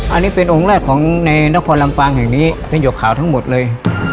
อันนี้เป็นองค์แรกของในนครลำปางแห่งนี้เป็นหยกขาวทั้งหมดเลย